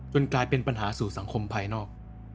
กลายเป็นปัญหาสู่สังคมภายนอก